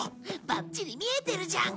バッチリ見えてるじゃん！